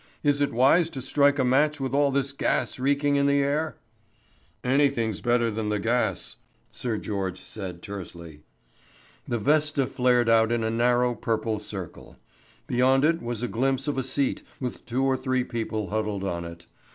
Is it wise to strike a match with all this gas reeking in the air?" "Anything's better than the gas," Sir George said tersely. The vesta flared out in a narrow, purple circle. Beyond it was a glimpse of a seat with two or three people huddled on it.